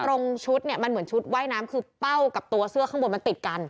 ตรงชุดเนี่ยมันเหมือนชุดว่ายน้ำคือเป้ากับตัวเสื้อข้างบนมันติดกัน